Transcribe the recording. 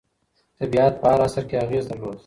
طبیعت په هر عصر کې اغېز درلود.